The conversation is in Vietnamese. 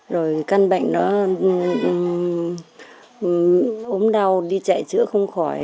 rồi căn bệnh nó ốm đau đi chạy chữa không khỏi